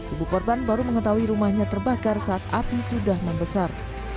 ibu korban baru mengetahui rumahnya terbakar saat api sudah membesar